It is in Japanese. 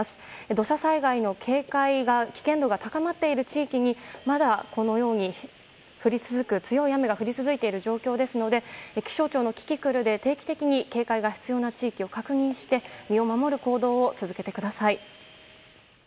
土砂災害の危険度が高まっている地域にまだこのように強い雨が降り続いている状況ですので気象庁のキキクルで定期的に警戒が必要な地域を確認して身を守る行動を続けてください。